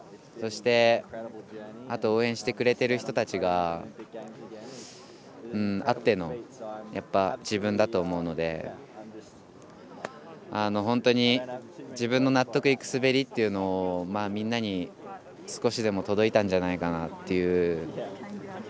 そして、応援してくれてる人たちあっての自分だと思うので本当に自分の納得のいく滑りというのをみんなに、少しでも届いたんじゃないかなっていう。